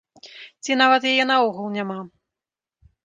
Ці нават яе наогул няма.